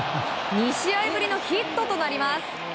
２試合ぶりのヒットとなります。